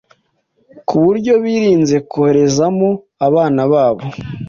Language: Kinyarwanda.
ku buryo birinze koherezamo abana babo.